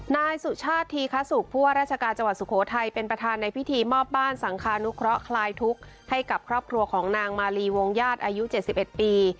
นายสุชาติธีคสุกผู้ว่าราชการจังหวัดสุโขทัยเป็นประธานในพิธีมอบบ้านสังคานุเคราะหลายทุกข์ให้กับครอบครัวของนางมาลีวงญาติอายุ๗๑ปี